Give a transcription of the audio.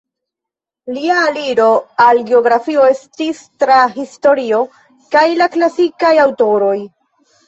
Lia aliro al geografio estis tra historio kaj la klasikaj aŭtoroj.